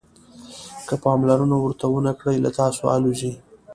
که پاملرنه ورته ونه کړئ له تاسو الوزي.